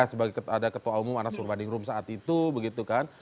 sebagai ada ketua umum anas urbandingrum saat itu begitu kan